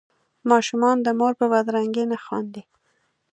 ماشومان د مور په بدرنګۍ نه خاندي.